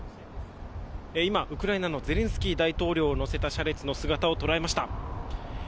今、ウクライナのゼレンスキー大統領を乗せた車列の姿を捉えました。